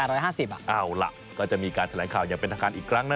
เอาล่ะก็จะมีการแถลงข่าวอย่างเป็นทางการอีกครั้งนะ